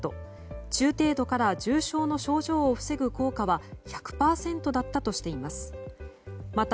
中程度から重症の症状を防ぐ効果は１００％だったとしています。